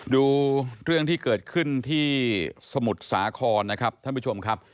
ดูเรื่องที่เกิดขึ้นที่สมุทรสาครนะครับท่านผู้ชมครับ